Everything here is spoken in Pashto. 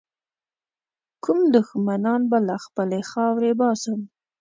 کوم دښمنان به له خپلي خاورې باسم.